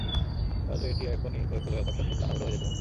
কাজেই এটি এখনই প্রয়োগ করলে ব্যাপারটা খুব তাড়াহুড়ো হয়ে যেতে পারে।